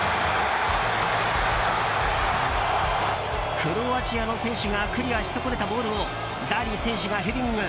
クロアチアの選手がクリアし損ねたボールをダリ選手がヘディング。